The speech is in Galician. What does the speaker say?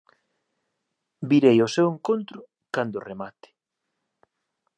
Virei ao seu encontro cando remate.